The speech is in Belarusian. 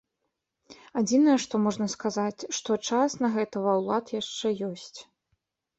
Адзінае, што можна сказаць, што час на гэта ва ўлад яшчэ ёсць.